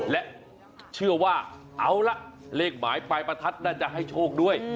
และเชื่อว่าเอาละเลขหมายปลายประทัดน่าจะให้โชคด้วย